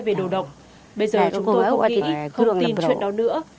bây giờ chúng tôi không nghĩ không tin chuyện đó nữa